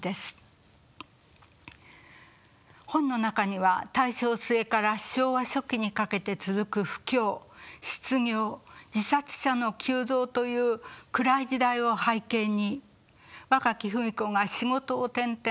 本の中には大正末から昭和初期にかけて続く不況失業自殺者の急増という暗い時代を背景に若き芙美子が仕事を転々。